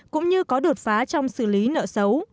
cũng như có đột phá trong xử lý nợ xấu